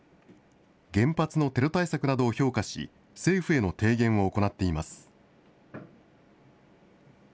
原発のテロ対策などを評価し、政府への提言を行っています。